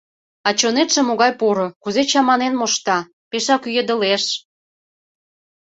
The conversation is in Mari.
А чонетше могай поро, кузе чаманен мошта, — пешак ӱедылеш.